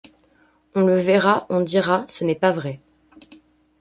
On le verra, on dira : ce n’est pas vrai.